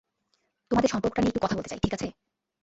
তোমাদের সম্পর্কটা নিয়ে একটু কথা বলতে চাই, ঠিক আছে?